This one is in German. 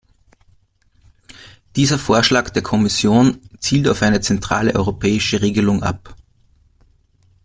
Dieser Vorschlag der Kommission zielt auf eine zentrale europäische Regelung ab.